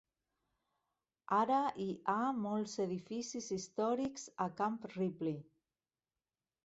Ara i ha molts edificis històrics a Camp Ripley.